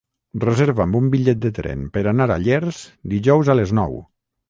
Reserva'm un bitllet de tren per anar a Llers dijous a les nou.